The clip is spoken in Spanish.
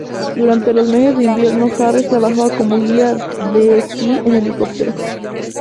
Durante los meses de invierno, Harris trabajaba como guía de esquí en helicóptero.